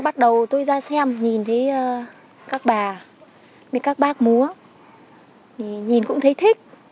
rồi tôi ra xem nhìn thấy các bà với các bác múa thì nhìn cũng thấy thích